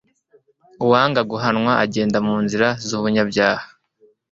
uwanga guhanwa agenda mu nzira z'umunyabyaha